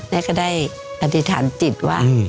แล้วก็ได้อธิษฐานจิตว่า